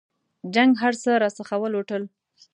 جنګ هرڅه راڅخه ولوټل.